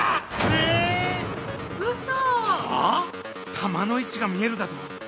弾の位置が見えるだと？